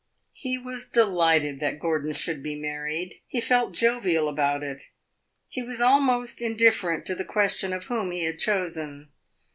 He was delighted that Gordon should be married; he felt jovial about it; he was almost indifferent to the question of whom he had chosen.